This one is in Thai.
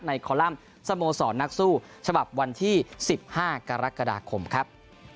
คอลัมป์สโมสรนักสู้ฉบับวันที่๑๕กรกฎาคมครับ